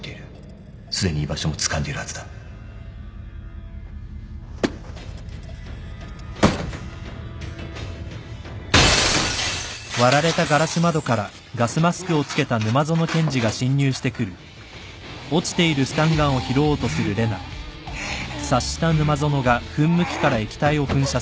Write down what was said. すでに居場所もつかんでいるはずだ・うっ！？